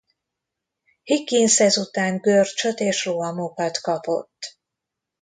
Higgins ezután görcsöt és rohamokat kapott.